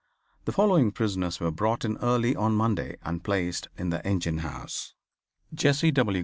The following prisoners were brought in early on Monday and placed in the engine house: Jesse W.